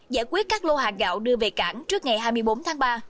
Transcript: giải quyết các lô hàng gạo đưa về cảng trước ngày hai mươi bốn tháng ba